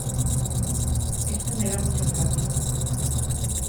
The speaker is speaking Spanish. Esto me da mucha rabia.